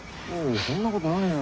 そんなことないよ。